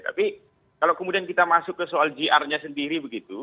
tapi kalau kemudian kita masuk ke soal gr nya sendiri begitu